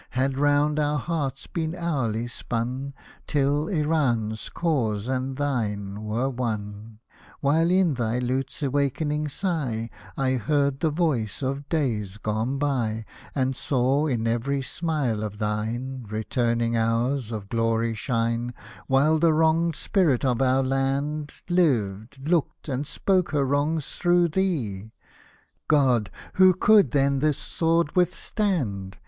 Had round our hearts been hourly spun, Till Iran's cause and thine were one ; Hosted by Google THE FIRE WORSHIPPERS 137 While in thy lute's awakening sigh I heard the voice of days gone by, And saw, in every smile of thine, Returning hours of glory shine ;— While the wronged Spirit of our Land Lived, looked, and spoke her wrongs through thee, — God ! who could then this sword withstand